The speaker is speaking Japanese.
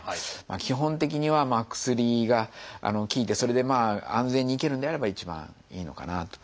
基本的には薬が効いてそれで安全にいけるのであれば一番いいのかなと。